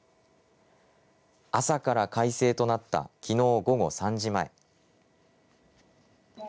朝から快晴となったきのう午後３時前。